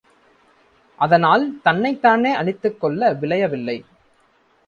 அதனால் தன்னைத் தானே அழித்துக்கொள்ள விழையவில்லை.